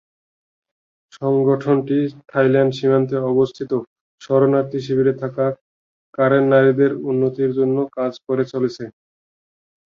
সংগঠনটি থাইল্যান্ড সীমান্তে অবস্থিত শরণার্থী শিবিরে থাকা কারেন নারীদের উন্নতির জন্য কাজ করে চলেছে।